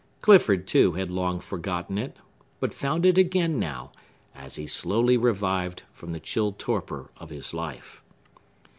Clifford, too, had long forgotten it; but found it again now, as he slowly revived from the chill torpor of his life.